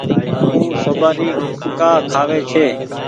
او سوپآري ڪآ کآوي ڇي۔